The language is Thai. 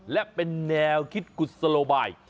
และเป็นแนวคิดกุศโลบาย